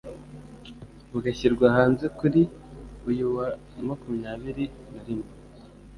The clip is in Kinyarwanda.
bugashyirwa hanze kuri uyu wa makumyabiri narimwe